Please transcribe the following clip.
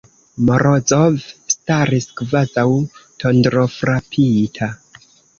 Morozov staris kvazaŭ tondrofrapita.